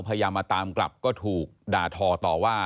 พยายามมาตามกลับก็ถูกด่าทอต่อว่า